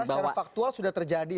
karena secara faktual sudah terjadi